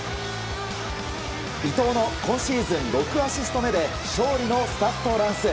伊東の今シーズン６アシスト目で勝利のスタッド・ランス。